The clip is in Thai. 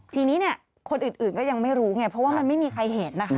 ทีนี้เนี่ยคนอื่นก็ยังไม่รู้ไงเพราะว่ามันไม่มีใครเห็นนะคะ